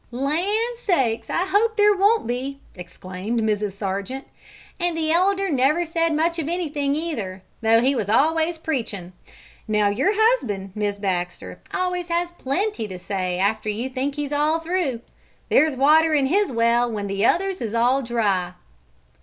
"Land sakes, I hope there won't be!" exclaimed Mrs. Sargent. "An' the Elder never said much of anything either, though he was always preachin'! Now your husband, Mis' Baxter, always has plenty to say after you think he's all through. There's water in his well when the others is all dry!"